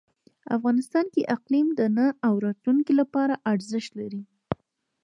افغانستان کې اقلیم د نن او راتلونکي لپاره ارزښت لري.